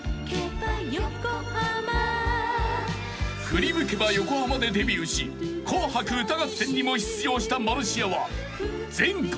［『ふりむけばヨコハマ』でデビューし『紅白歌合戦』にも出場したマルシアは前回］